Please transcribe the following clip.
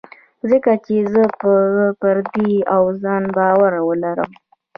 ځکه چې زه به پر دوی او پر ځان باور ولرم.